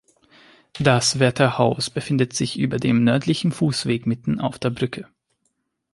Das Wärterhaus befindet sich über dem nördlichen Fußweg mitten auf der Brücke.